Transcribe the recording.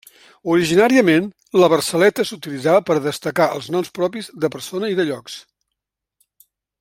Originàriament, la versaleta s'utilitzava per a destacar els noms propis de persona i de llocs.